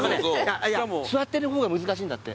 座ってる方が難しいんだって。